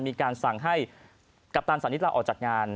มีการสั่งให้กัปตันสานิทลาออกจากงาน